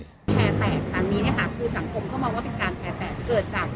แคลร์แปลกตอนนี้นะคะผู้จังคมเข้ามาว่าเป็นการแคลร์แปลก